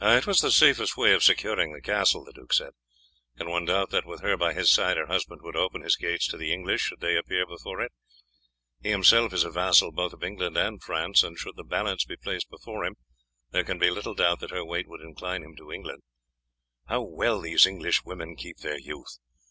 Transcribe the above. "It was the safest way of securing the castle," the duke said. "Can one doubt that, with her by his side, her husband would open his gates to the English, should they appear before it? He himself is a vassal both of England and France, and should the balance be placed before him, there can be little doubt that her weight would incline him to England. How well these English women keep their youth!